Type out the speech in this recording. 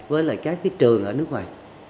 với là các cái trường ở nước ngoài